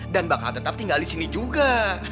dan bakal tetap tinggal di sini juga